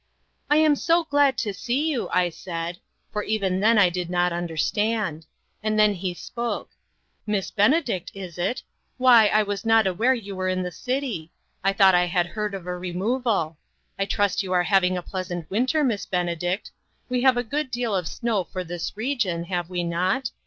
' I am so glad to see you,' I said, for even then I did not understand. And then he spoke :' Miss Benedict, is it? Why, I was not aware 246 INTERRUPTED. that you were in the city. I thought I had heard of a removal. I trust you are having a pleasant winter, Miss Benedict. We have a good deal of snow for this region, have we not